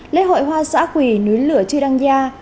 lễ hội hoa xã quỳ núi lửa trư đăng nha